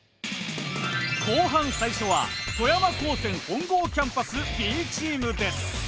後半最初は富山高専本郷キャンパスＢチームです。